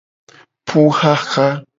Puxaxa.